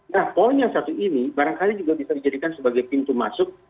nah poin yang satu ini barangkali juga bisa dijadikan sebagai pintu masuk